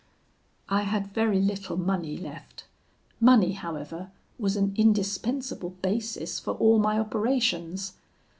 "I had very little money left; money, however, was an indispensable basis for all my operations.